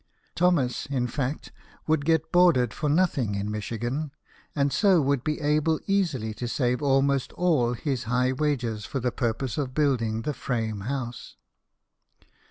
Thomas, in fact, would get boarded for nothing in Michigan, and so would be able 140 BIOGRAPHIES OF WORKING MEN. easily to save almost all his high wages for the purpose of building the frame house.